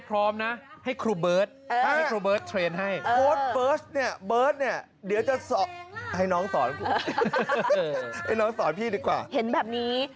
น้องอยู่ในชุดนี้มีมีมีมี